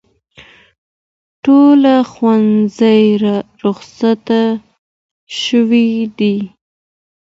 ټول ښوونځي روخصت شوي دي